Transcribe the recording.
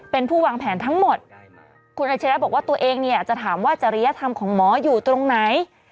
เป็นผู้วางแผนทั้งหมดคุณอาชิระบอกว่าตัวเองเนี่ยจะถามว่าจริยธรรมของหมออยู่ตรงไหน